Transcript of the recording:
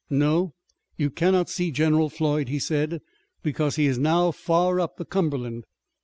"No, you cannot see General Floyd," he said, "because he is now far up the Cumberland."